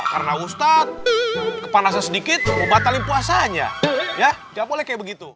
karena ustadz kepanasan sedikit membatalkan puasanya ya gak boleh kayak begitu